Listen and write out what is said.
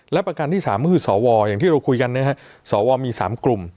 และประการที่๓ก็คือสวอย่างที่เราคุยกันนะฮะสวมี๓กลุ่ม